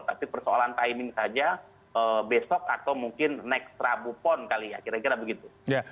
tapi persoalan timing saja besok atau mungkin next rabu pon kali ya kira kira begitu